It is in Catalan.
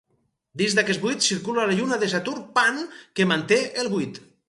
Dins d'aquest buit, circula la lluna de Saturn Pan que manté el buit.